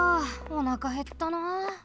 おなかへったなあ。